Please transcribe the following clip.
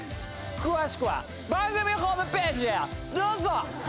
詳しくは番組ホームページへどうぞ！